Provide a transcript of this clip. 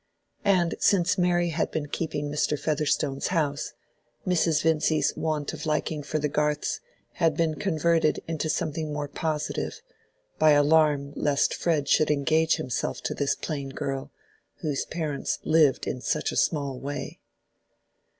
And since Mary had been keeping Mr. Featherstone's house, Mrs. Vincy's want of liking for the Garths had been converted into something more positive, by alarm lest Fred should engage himself to this plain girl, whose parents "lived in such a small way."